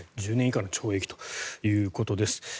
１０年以下の懲役ということです。